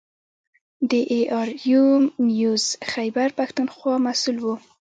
د اې ار یو نیوز خیبر پښتونخوا مسوول و.